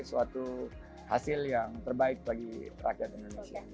suatu hasil yang terbaik bagi rakyat indonesia